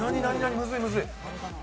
むずいむずい。